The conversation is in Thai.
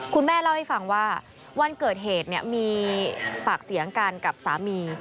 คุณแม่เล่าให้ฟังว่าวันเกิดเหตุมีปากเสียงกันกับสามี